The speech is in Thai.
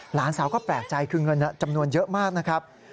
หลานสาวก็แปลกใจคือเงินจำนวนเยอะมากนะครับ